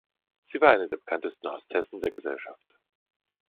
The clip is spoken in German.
Sie war eine der bekanntesten Hostessen der Gesellschaft.